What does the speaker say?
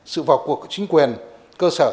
sự vào cuộc của chính quyền cơ sở